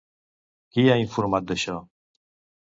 Qui ha informat d'això?